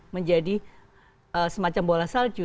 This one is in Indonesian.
menjadi semacam bola salju